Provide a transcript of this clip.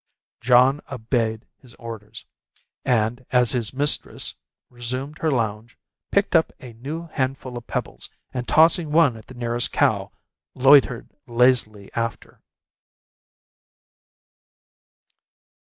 John obeyed his orders; and, as his mistress resumed her lounge, picked up a new handful of pebbles, and tossing one at the nearest cow, loitered lazily after.